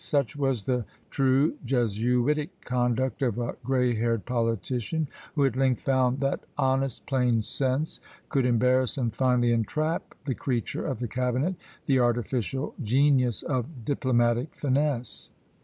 Such was the true Jesuitic conduct of a grey haired politician, who at length found that honest plain sense could embarrass and finally entrap the creature of the cabinet, the artificial genius of diplomatic finesse.